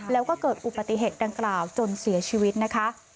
แล้วก็เกิดอุบัติเหตุดังกล่าวจนเสียชีวิตนะคะ